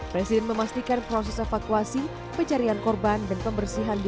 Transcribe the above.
presiden memastikan proses evakuasi pencarian korban dan pembersihan